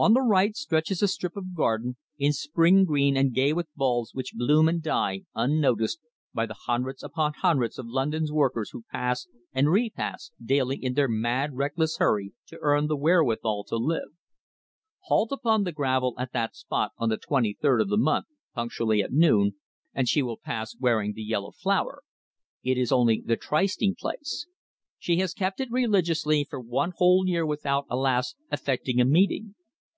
On the right stretches a strip of garden, in spring green and gay with bulbs which bloom and die unnoticed by the hundreds upon hundreds of London's workers who pass and re pass daily in their mad, reckless hurry to earn the wherewithal to live. "Halt upon the gravel at that spot on the twenty third of the month punctually at noon, and she will pass wearing the yellow flower. It is the only trysting place. She has kept it religiously for one whole year without alas! effecting a meeting.